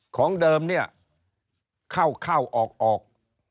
ของเดิมเนี่ยเข้าเข้าออกออก